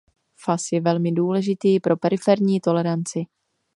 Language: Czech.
Fas je velmi důležitý pro periferní toleranci.